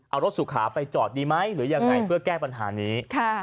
เอารถสุขาไปจอดดีไหมหรือยังไงเพื่อแก้ปัญหานี้